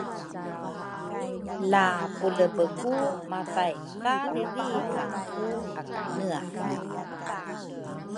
la pulebe ku mathaithariringa ku akaneane